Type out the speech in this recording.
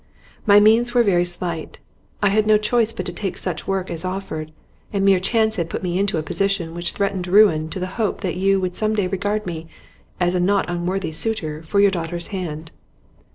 My means were very slight; I had no choice but to take such work as offered, and mere chance had put me into a position which threatened ruin to the hope that you would some day regard me as a not unworthy suitor for your daughter's hand.